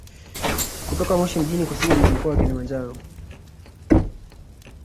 Kutoka Moshi mjini kusini mwa mkoa wa Kilimanjaro